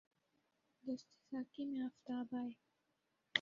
دست ساقی میں آفتاب آئے